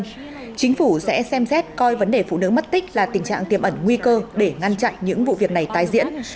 kcmz coi vấn đề phụ nữ mất tích là tình trạng tiềm ẩn nguy cơ để ngăn chặn những vụ việc này tái diễn